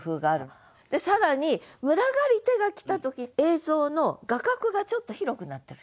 で更に「群がりて」が来た時映像の画角がちょっと広くなってる。